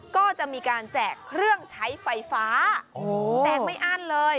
ก็จะมีการแจกเครื่องใช้ไฟฟ้าแจกไม่อั้นเลย